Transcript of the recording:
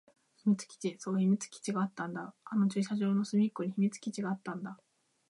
秘密基地。そう、秘密基地があったんだ。あの駐車場の隅っこに秘密基地があったんだ。